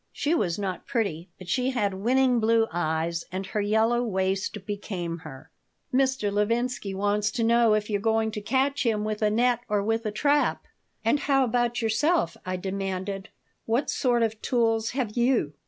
She was not pretty, but she had winning blue eyes and her yellow waist became her. "Mr. Levinsky wants to know if you're going to catch him with a net or with a trap." "And how about yourself?" I demanded. "What sort of tools have you?"